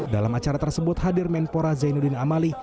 dalam acara tersebut hadir menpora zainuddin amali